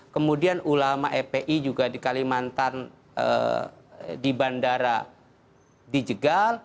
kemudian ulama fpi juga di kalimantan di bandara dijegal